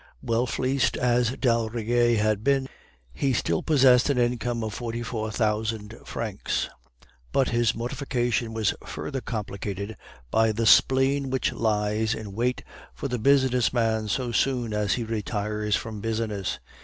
Well fleeced as d'Aldrigger had been, he still possessed an income of forty four thousand francs; but his mortification was further complicated by the spleen which lies in wait for the business man so soon as he retires from business.